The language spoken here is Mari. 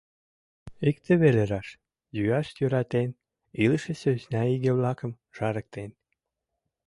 Икте веле раш: йӱаш йӧратен, илыше сӧсна иге-влакым жарыктен.